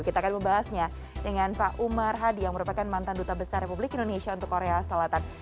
kita akan membahasnya dengan pak umar hadi yang merupakan mantan duta besar republik indonesia untuk korea selatan